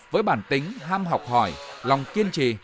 với bản tính ham học hỏi lòng kiên trì